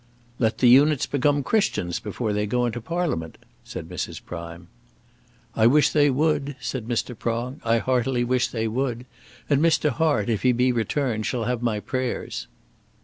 "Let the units become Christians before they go into Parliament," said Mrs. Prime. "I wish they would," said Mr. Prong. "I heartily wish they would: and Mr. Hart, if he be returned, shall have my prayers."